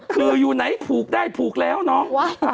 คืออยู่ไหนผูกได้ผูกแล้วน้อง